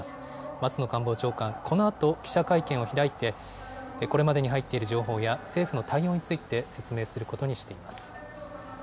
松野官房長官、このあと記者会見を開いてこれまでに入っている情報や政府の対応について説明することにしています。